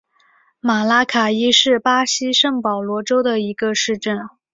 马拉卡伊是巴西圣保罗州的一个市镇。